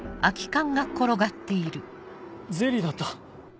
ゼリーだった。